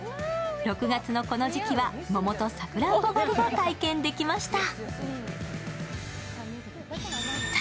６月のこの時期は、桃とさくらんぼ狩りが体験できました。